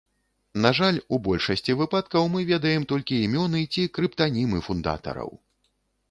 На жаль, у большасці выпадкаў мы ведаем толькі імёны ці крыптанімы фундатараў.